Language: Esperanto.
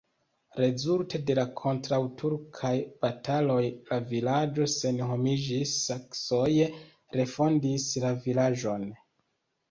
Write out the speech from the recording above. Rezulte de la kontraŭturkaj bataloj la vilaĝo senhomiĝis, saksoj refondis la vilaĝon.